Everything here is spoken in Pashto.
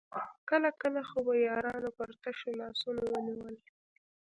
کله کله خو به يارانو پر تشو لاسونو ونيول.